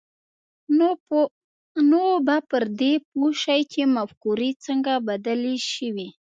نو به پر دې پوه شئ چې مفکورې څنګه بدلې شوې